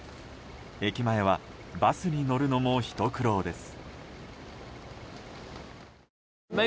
駅前は、バスに乗るのもひと苦労です。